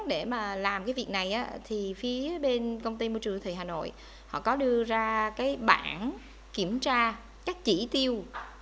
để mà làm cái việc này thì phía bên công ty môi trường đô thị hà nội họ có đưa ra cái bản kiểm tra các chỉ tiêu